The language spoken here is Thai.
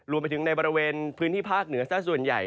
รวมไปถึงในบริเวณพื้นที่ภาคเหนือซะส่วนใหญ่